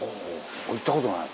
行ったことない。